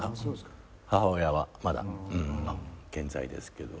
母親はまだ健在ですけど。